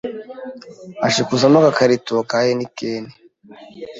ashikuzamo agakarito ka henikeni